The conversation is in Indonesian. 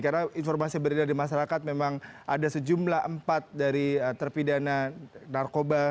karena informasi berada di masyarakat memang ada sejumlah empat dari terpidana narkoba